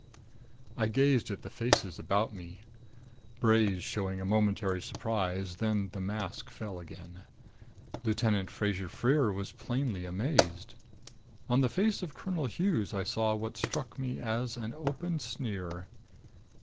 I gazed at the faces about me. Bray's showed a momentary surprise then the mask fell again. Lieutenant Fraser Freer was plainly amazed. On the face of Colonel Hughes I saw what struck me as an open sneer.